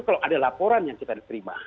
kalau ada laporan yang kita terima